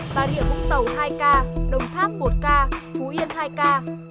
bà rịa vũng tàu hai ca đồng tháp một ca phú yên hai ca